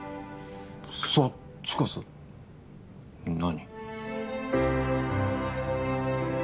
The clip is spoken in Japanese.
そっちこそ何？